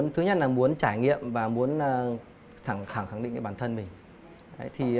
thứ nhất là muốn trải nghiệm và muốn thẳng khẳng khẳng định cái bản thân mình